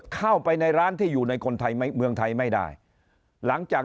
เข้าไปในร้านที่อยู่ในคนไทยเมืองไทยไม่ได้หลังจาก